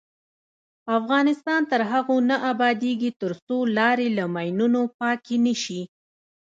افغانستان تر هغو نه ابادیږي، ترڅو لارې له ماینونو پاکې نشي.